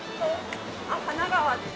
神奈川です。